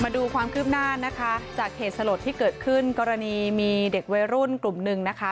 มาดูความคืบหน้านะคะจากเหตุสลดที่เกิดขึ้นกรณีมีเด็กวัยรุ่นกลุ่มหนึ่งนะคะ